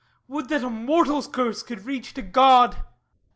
Would that a mortal's curse could reach to God!